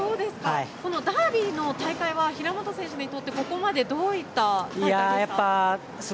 ダービーの大会は平本選手にとってどういった大会ですか？